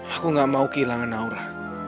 aku gak mau kehilangan aura